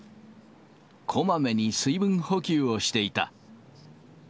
こまめに水分補給をしていた。